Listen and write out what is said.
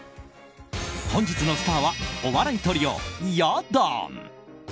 本日のスターはお笑いトリオ、や団。